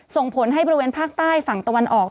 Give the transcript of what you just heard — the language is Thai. ศูนย์อุตุนิยมวิทยาภาคใต้ฝั่งตะวันอ่อค่ะ